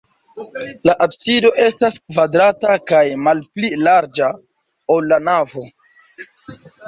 La absido estas kvadrata kaj malpli larĝa, ol la navo.